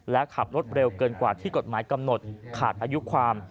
และขับรถเร็วเกินกว่าที่กฎหมายกำหนดขาดอายุความ